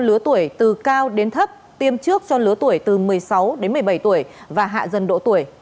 lứa tuổi từ cao đến thấp tiêm trước cho lứa tuổi từ một mươi sáu đến một mươi bảy tuổi và hạ dần độ tuổi